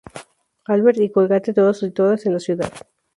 Albert", y Colgate, todas situadas en la ciudad.